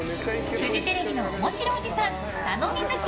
フジテレビの面白おじさん佐野瑞樹